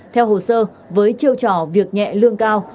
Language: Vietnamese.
theo hồ sơ với chiêu trò việc nhẹ lương cao